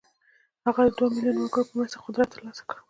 هغه د دوه ميليونه وګړو په مرسته قدرت ترلاسه کړ.